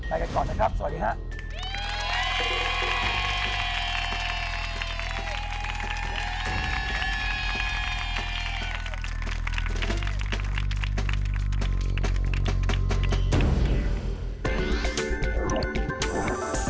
ไปกันก่อนนะครับสวัสดีครับ